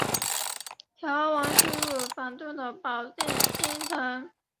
调往事务繁重的保定新城。